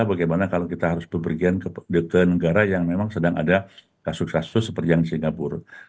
bagaimana kalau kita harus berpergian ke negara yang memang sedang ada kasus kasus seperti yang di singapura